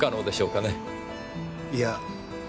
いや。